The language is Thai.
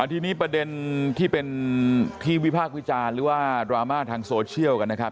ทีนี้ประเด็นที่เป็นที่วิพากษ์วิจารณ์หรือว่าดราม่าทางโซเชียลกันนะครับ